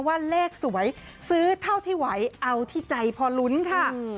ว่าเลขสวยซื้อเท่าที่ไหวเอาที่ใจพอลุ้นค่ะ